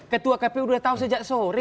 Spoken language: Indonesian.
ketua kpu sudah tahu sejak sore